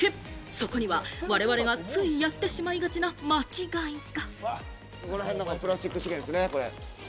そこには我々がついやってしまいがちな間違いが。